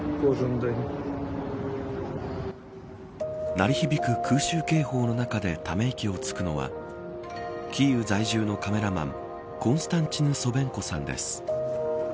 鳴り響く空襲警報の中でため息をつくのはキーウ在住のカメラマンコンスタンチヌ・ソベンコさんです。